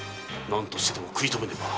何としても食い止めねば。